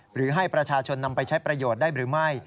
หรือให้ประชาชนนำไปใช้ประโยชน์ได้หรือไม่